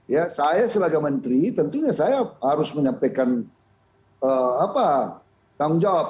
ya saya sebagai menteri tentunya saya harus menyampaikan tanggung jawab